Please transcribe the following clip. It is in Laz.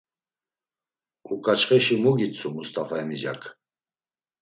Uǩaçxeşi mu gitzu Must̆afa emicak?